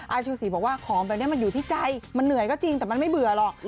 ชูศรีบอกว่าของแบบนี้มันอยู่ที่ใจมันเหนื่อยก็จริงแต่มันไม่เบื่อหรอก